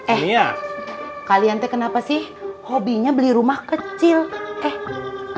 eh ya kalian teh kenapa sih hobinya beli rumah kecil eh